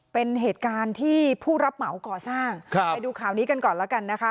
เป็นเหตุการณ์ที่ผู้รับเหมาก่อสร้างครับไปดูข่าวนี้กันก่อนแล้วกันนะคะ